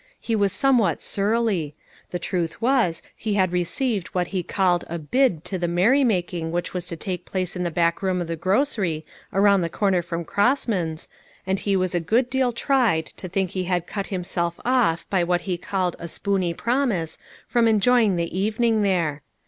He was somewhat surly ; the truth was, he had received what he called a "bid" to the merry making which was to take place in the 346 LITTLE FISHEKS: AND THEIE NETS. back room of the grocery, around the corner from Grossman's, and he was a good deal tried to think he had cut himself off by what he called a " spooney " promise, from enjoying the evening there.